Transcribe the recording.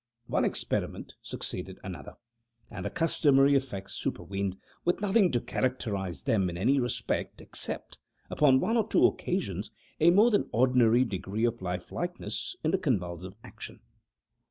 One experiment succeeded another, and the customary effects supervened, with nothing to characterize them in any respect, except, upon one or two occasions, a more than ordinary degree of life likeness in the convulsive action.